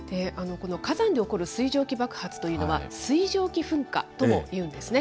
この火山で起こる水蒸気爆発というのは、水蒸気噴火ともいうんですね。